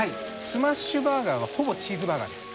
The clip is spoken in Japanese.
スマッシュバーガーはほぼチーズバーガーです。